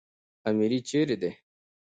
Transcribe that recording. اميري چيري دئ؟